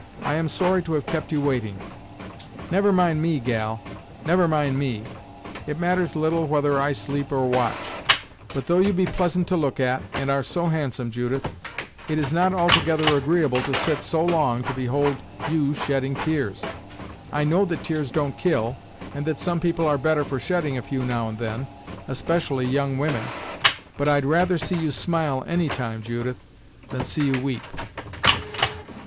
I am sorry to have kept you waiting." "Never mind me, gal; never mind me. It matters little whether I sleep or watch; but though you be pleasant to look at, and are so handsome, Judith, it is not altogether agreeable to sit so long to behold you shedding tears. I know that tears don't kill, and that some people are better for shedding a few now and then, especially young women; but I'd rather see you smile any time, Judith, than see you weep."